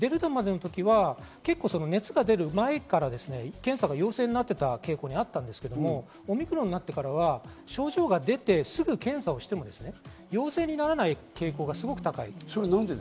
これまではデルタまでの時は熱が出る前から検査が陽性になっていた傾向にあったんですけれど、オミクロンになってからは症状が出てすぐ検査をしても陽性にならない傾向がすごく高いです。